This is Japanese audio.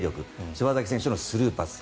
柴崎選手のスルーパス。